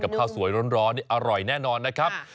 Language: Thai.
ข้าวสวยร้อนนี่อร่อยแน่นอนนะครับ